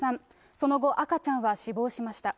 その後、赤ちゃんは死亡しました。